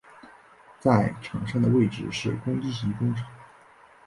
在场上的位置是攻击型中场。